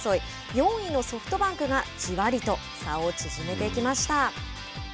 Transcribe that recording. ４位のソフトバンクがじわりと差を縮めてきました。